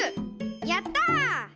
やった！